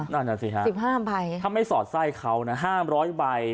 นั่นแหละสิฮะถ้าไม่สอดไส้เขานะห้ามร้อยใบ